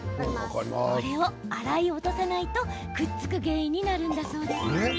これを洗い落とさないとくっつく原因になるんだそう。